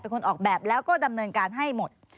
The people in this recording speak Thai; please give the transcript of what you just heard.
เป็นคนออกแบบแล้วก็ดำเนินการให้หมด